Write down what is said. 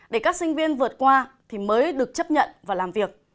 để các sinh viên vượt qua thì mới được chấp nhận và làm việc